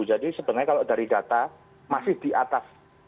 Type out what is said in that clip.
jadi sebenarnya kalau dari data masih di atas